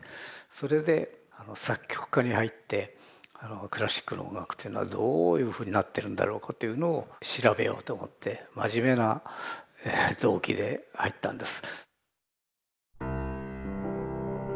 それで作曲科に入ってクラシックの音楽というのはどういうふうになってるんだろうかというのを調べようと思って真面目な動機で入ったんです。